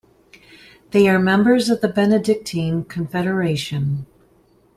They are members of the Benedictine Confederation.